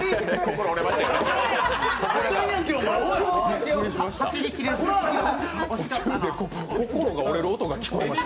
途中で心が折れる音が聞こえました。